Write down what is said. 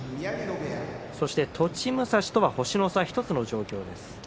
そして栃武蔵とは星の差１つの状況です。